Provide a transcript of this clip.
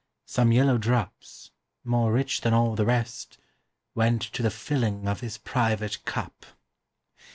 Some yellow drops, more rich than all the rest, Went to the filling of his private cup.